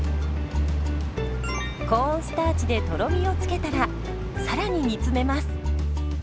コーンスターチでとろみを付けたらさらに煮詰めます。